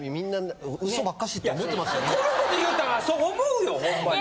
こういうこと言うたらそう思うよほんまに。